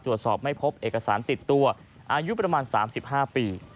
ตรวจสอบไม่พบเอกสารติดตัวอายุประมาณ๓๕ปี